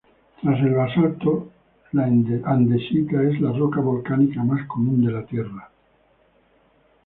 Tras el basalto, la andesita es la roca volcánica más común de la Tierra.